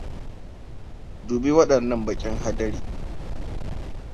Dubi waɗannan baƙin hadarii.